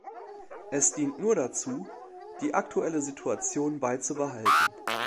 Es dient nur dazu, die aktuelle Situation beizubehalten.